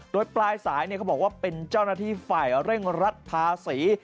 โดยปลายสายเขาบอกว่าเป็นเจ้าหน้าที่ฝ่ายเร่งรัดภาษี